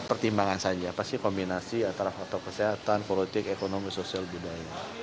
pertimbangan saja apa sih kombinasi antara faktor kesehatan politik ekonomi sosial budaya